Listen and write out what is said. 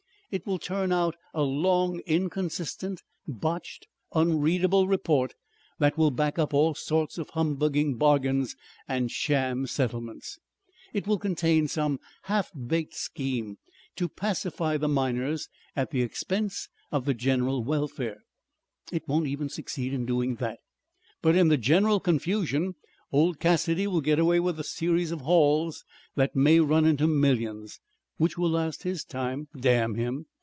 It will turn out a long, inconsistent, botched, unreadable report that will back up all sorts of humbugging bargains and sham settlements. It will contain some half baked scheme to pacify the miners at the expense of the general welfare. It won't even succeed in doing that. But in the general confusion old Cassidy will get away with a series of hauls that may run into millions. Which will last his time damn him!